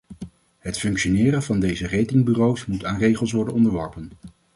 Het functioneren van deze ratingbureaus moet aan regels worden onderworpen.